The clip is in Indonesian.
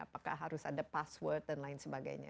apakah harus ada password dan lain sebagainya